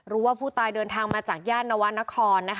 รู้ว่าผู้ตายเดินทางมาจากย่านนวรรณคร